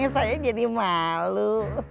saya jadi malu